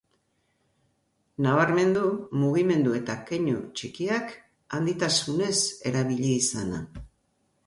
Nabarmendu mugimendu eta keinu txikiak handitasunez erabili izana.